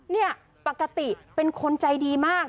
เนี่ยปกติเป็นคนใจดีมาก